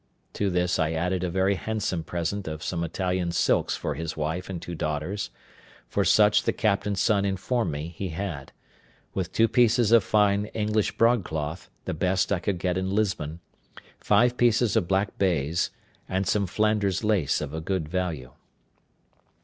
To this I added a very handsome present of some Italian silks for his wife and two daughters, for such the captain's son informed me he had; with two pieces of fine English broadcloth, the best I could get in Lisbon, five pieces of black baize, and some Flanders lace of a good value.